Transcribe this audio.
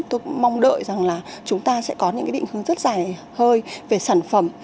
tôi mong đợi rằng là chúng ta sẽ có những cái định hướng rất dài hơi về sản phẩm